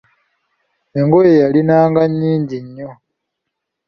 Engoye yalinanga nnyingi nnyo.